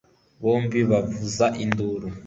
bombi bavuza induru